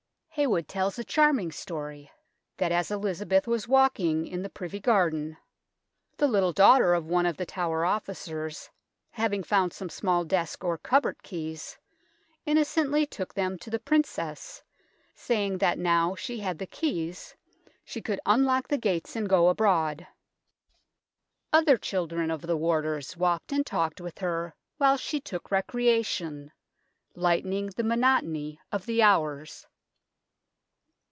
Heywood tells a charming story, that as Elizabeth was walk ing in the Privy Garden the little daughter of 70 THE TOWER OF LONDON one of The Tower officers, having found some small desk or cupboard keys, innocently took them to the Princess, saying that now she had the keys " she could unlock the gates and go abroad." Other children of the warders walked and talked with her while she took recreation, lightening the monotony of the hours.